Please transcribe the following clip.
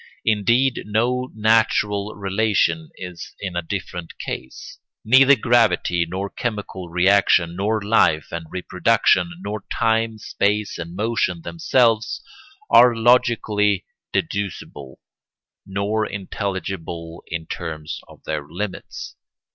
Indeed no natural relation is in a different case. Neither gravity, nor chemical reaction, nor life and reproduction, nor time, space, and motion themselves are logically deducible, nor intelligible in terms of their limits.